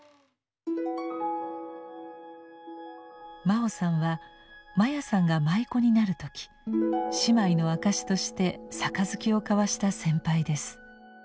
真生さんは真矢さんが舞妓になる時姉妹の証しとして「盃」を交わした先輩です。